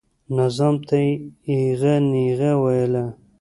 نظام ته یې ایغه نیغه وویله.